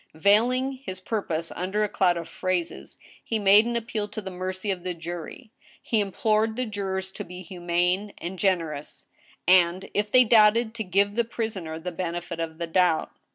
Veiling his purpose under a cloud of phrases, he made an appeal to the mercy of the jury. He implored the jurors to be humane and generous, and, if they doubted, to give the prisoner the benefit of the doubt.